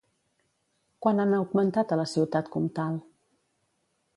Quant han augmentat a la ciutat comtal?